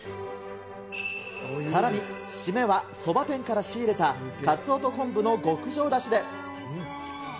さらに、締めはそば店から仕入れたかつおと昆布の極上だしで。